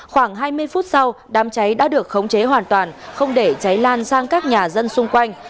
khoảng hai mươi phút sau đám cháy đã được khống chế hoàn toàn không để cháy lan sang các nhà dân xung quanh